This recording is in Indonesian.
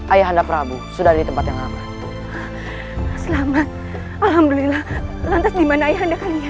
ayah anda prabu sudah ditempat yang aman selamat alhamdulillah lantas di mana anda kalian